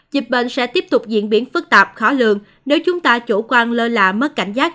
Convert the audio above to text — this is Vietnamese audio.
dịch bệnh sẽ tiếp tục diễn biến phức tạp khó lường nếu chúng ta chủ quan lơ là mất cảnh giác